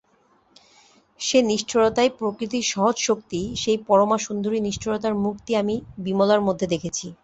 সে নিষ্ঠুরতাই প্রকৃতির সহজ শক্তি সেই পরমাসুন্দরী নিষ্ঠুরতার মূর্তি আমি বিমলার মধ্যে দেখেছি।